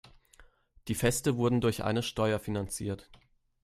Die Feste wurden durch eine Steuer finanziert.